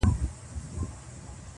چي دي هر گړی زړه وسي په هوا سې-